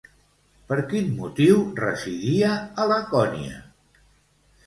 Per quin motiu residia a Lacònia?